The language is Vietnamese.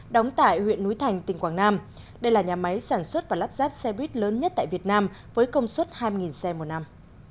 đóng tại huyện núi thành tỉnh quảng nam đây là nhà máy sản xuất và lắp ráp xe buýt lớn nhất tại việt nam với công suất hai xe một năm